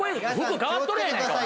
服替わっとるやないか。